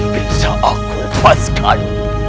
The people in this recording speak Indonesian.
bisa aku lepaskan